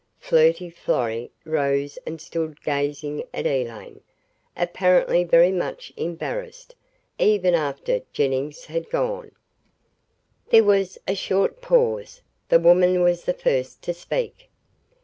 Flirty Florrie rose and stood gazing at Elaine, apparently very much embarrassed, even after Jennings had gone. There was a short pause. The woman was the first to speak.